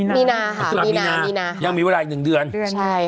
มีนาค่ะมีนาค่ะ